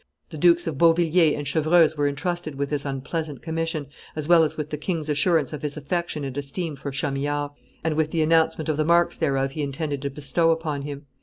"The Dukes of Beauvilliers and Chevreuse were intrusted with this unpleasant commission, as well as with the king's assurance of his affection and esteem for Chamillard, and with the announcement of the marks thereof he intended to bestow upon him.